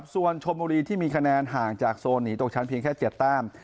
ส่วนชมบุรีที่มีคะแนนห่างจากโซนหนีตกชั้นเพียงแค่๗แต้ม